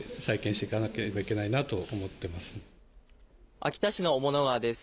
秋田市の雄物川です。